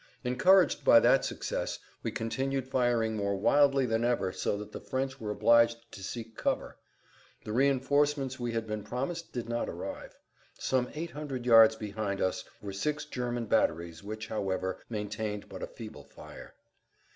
Encouraged by that success we continued firing more wildly than ever so that the French were obliged to seek cover. The reinforcements we had been promised did not arrive. Some 800 yards behind us were six German batteries which, however, maintained but a feeble fire.